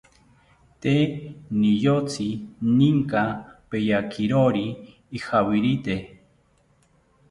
Tee niyotzi ninka peyakirori ijawirite